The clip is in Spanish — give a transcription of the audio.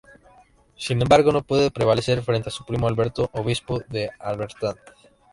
Sin embargo, no pudo prevalecer frente a su primo Alberto, obispo de Halberstadt.